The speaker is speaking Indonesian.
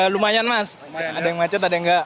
lumayan mas ada yang macet ada yang enggak